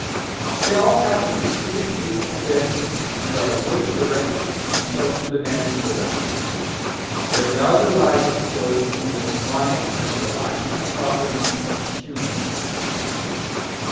They all have a specific use and benefit, and are worth the repetition children demand for them. Their value lies, of course, in the tonic and relaxing properties of humour.